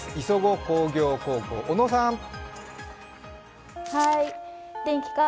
磯子工業高校、小野さん。